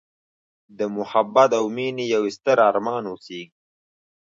د محبت او میینې یوستر ارمان اوسیږې